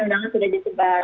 undangan sudah disebar